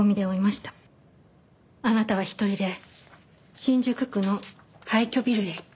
あなたは１人で新宿区の廃虚ビルへ行った。